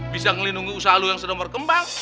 bisa ngelindungi usaha lo yang sedang berkembang